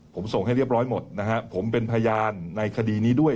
ผมส่งให้เรียบร้อยหมดนะฮะผมเป็นพยานในคดีนี้ด้วย